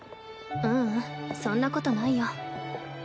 ううんそんなことないよ。